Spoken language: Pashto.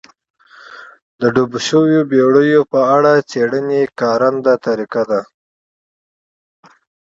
د ډوبو شویو بېړیو په اړه څېړنې کارنده طریقه ده